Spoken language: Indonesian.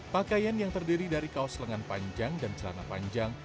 pakaian yang terdiri dari kaos lengan panjang dan celana panjang